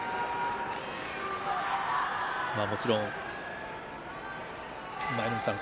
もちろん舞の海さん